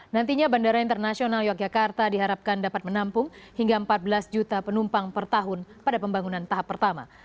nantinya bandara internasional yogyakarta diharapkan dapat menampung hingga empat belas juta penumpang per tahun pada pembangunan tahap pertama